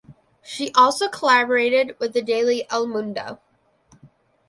She also collaborated with the daily "El Mundo".